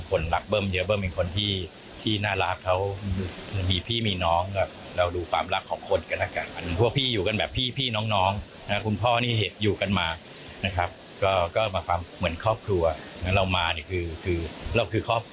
คดีคือคดีที่เกี่ยวกับภาพ